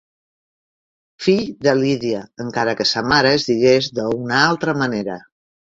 Fill de Lídia, encara que sa mare es digués d'una altra manera.